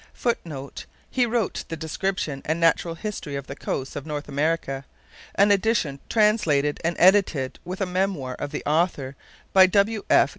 [Footnote: He wrote The Description and Natural History of the Coasts of North America. An edition, translated and edited, with a memoir of the author, by W. F.